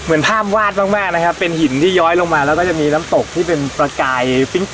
เหมือนภาพวาดมากมากนะครับเป็นหินที่ย้อยลงมาแล้วก็จะมีน้ำตกที่เป็นประกายฟิ้ง